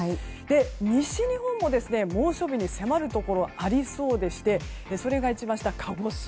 西日本も猛暑日に迫るところありそうでしてそれが一番下、鹿児島